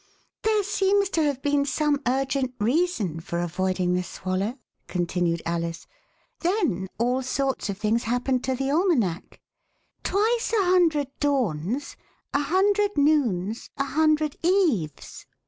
There seems to have been some urgent reason for avoiding the swallow," continued Alice. Then all sorts of things happened to the Almanac : Twice a hundred dawns, a hundred noons, a hundred eves.